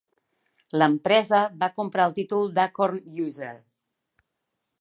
L'empresa va comprar el títol d'Acorn User.